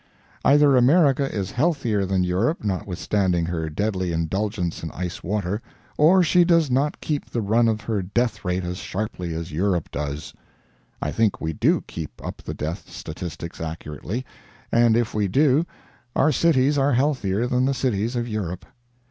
Either America is healthier than Europe, notwithstanding her "deadly" indulgence in ice water, or she does not keep the run of her death rate as sharply as Europe does. I think we do keep up the death statistics accurately; and if we do, our cities are healthier than the cities of Europe.